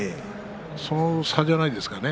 その差じゃないですかね